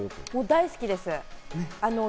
大好きです。